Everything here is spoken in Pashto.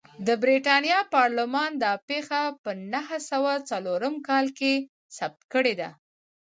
د برېټانیا پارلمان دا پېښه په نهه سوه څلورم کال کې ثبت کړې ده.